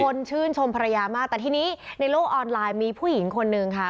ชื่นชมภรรยามากแต่ทีนี้ในโลกออนไลน์มีผู้หญิงคนนึงค่ะ